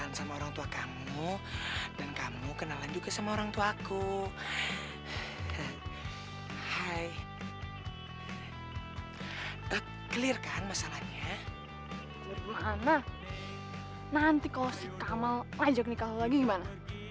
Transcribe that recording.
ngajak nikah lo lagi gimana